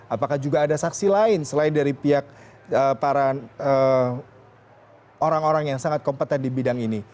apakah juga ada saksi lain selain dari pihak para orang orang yang sangat kompeten di bidang ini